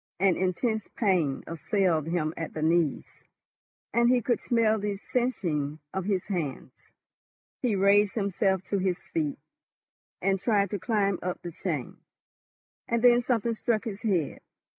An intense pain assailed him at the knees, and he could smell the singeing of his hands. He raised himself to his feet, and tried to climb up the chain, and then something struck his head.